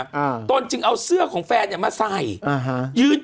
อ่าตนจึงเอาเสื้อของแฟนเนี้ยมาใส่อ่าฮะยืน